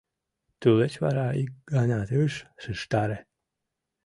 Тулеч вара ик ганат ыш шижтаре.